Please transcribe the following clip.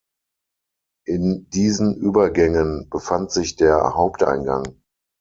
In diesen Übergängen befand sich der Haupteingang.